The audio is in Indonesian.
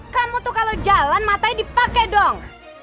kamu tuh kalau jalan matanya dipakai dong